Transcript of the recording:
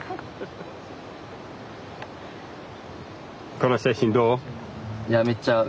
この写真どう？